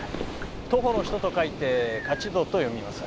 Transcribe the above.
徒歩の人と書いて「かちど」と読みます。